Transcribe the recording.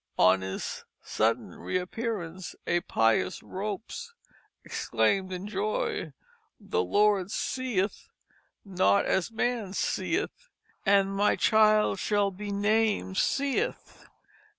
On his sudden reappearance a pious Ropes exclaimed in joy, "The Lord seeth not as man seeth, and my child shall be named Seeth."